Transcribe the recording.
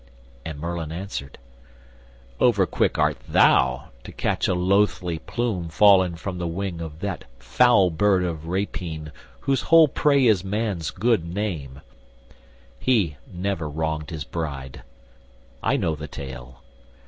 And Merlin answered, "Overquick art thou To catch a loathly plume fallen from the wing Of that foul bird of rapine whose whole prey Is man's good name: he never wronged his bride. I know the tale.